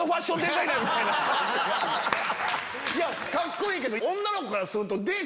カッコいいけど女の子からすると。